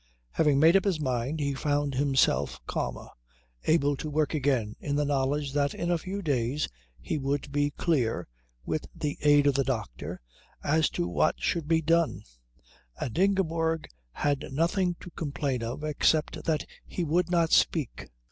Having made up his mind, he found himself calmer, able to work again in the knowledge that in a few days he would be clear, with the aid of the doctor, as to what should be done; and Ingeborg had nothing to complain of except that he would not speak.